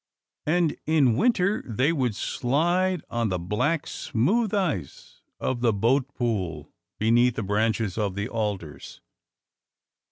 And in winter they would slide on the black, smooth ice of the boat pool, beneath the branches of the alders.